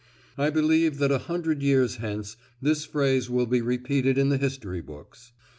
I believe that a hundred years hence this phrase will be repeated in the history books.